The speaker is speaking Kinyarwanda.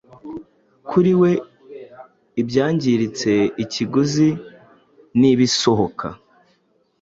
kuriwe ibyangiritse ikiguzi nibisohoka